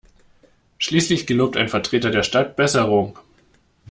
Schließlich gelobt ein Vertreter der Stadt Besserung.